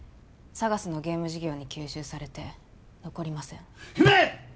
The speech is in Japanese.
ＳＡＧＡＳのゲーム事業に吸収されて残りません姫！